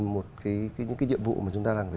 một cái những cái nhiệm vụ mà chúng ta đang phải